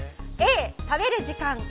Ａ、食べる時間。